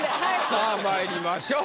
さあまいりましょう。